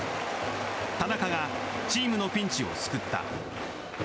田中がチームのピンチを救った。